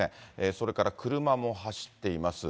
それから車も走っています。